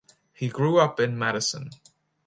He grew up in Madison.